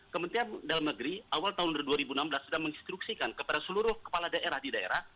kementerian dalam negeri awal tahun dua ribu enam belas sudah menginstruksikan kepada seluruh kepala daerah di daerah